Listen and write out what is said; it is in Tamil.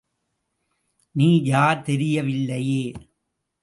நீ யார் தெரியவில்லையே?